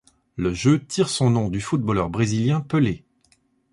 Le jeu tire son nom du footballeur brésilien Pelé.